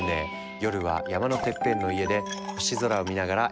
夜は山のてっぺんの家で星空を見ながら一杯。